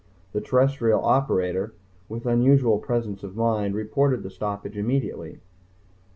The terrestrial operator, with unusual presence of mind, reported the stoppage immediately.